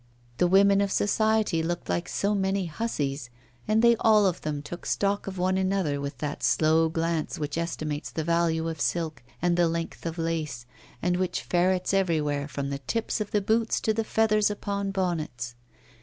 The women of society looked like so many hussies, and they all of them took stock of one another with that slow glance which estimates the value of silk and the length of lace, and which ferrets everywhere, from the tips of boots to the feathers upon bonnets.